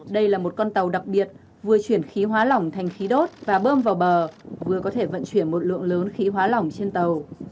đây là một con tàu đặc biệt vừa chuyển khí hóa lỏng thành khí đốt và bơm vào bờ vừa có thể vận chuyển một lượng lớn khí hóa lỏng trên tàu